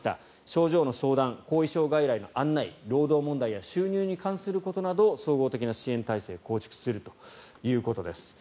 症状の相談後遺症外来の案内労働問題や収入に関することなど総合的な支援体制を構築するということです。